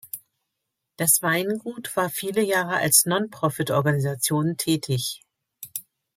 Das Weingut war viele Jahre als Non-Profit-Organisation tätig.